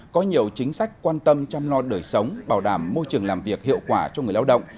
có nhiều chính sách quan tâm chăm lo đời sống bảo đảm môi trường làm việc hiệu quả cho người lao động